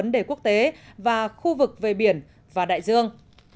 vấn đề quốc tế và khu vực về biển và đại dương